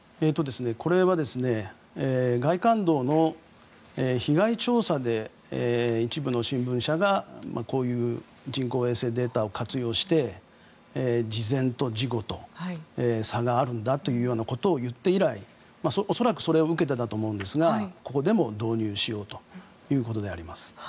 これは外環道の被害調査で一部の新聞社がこういう人工衛星データを活用して事前と事後と差があるんだといって以来恐らくそれを受けてだと思うんですがここでも導入しようということであります。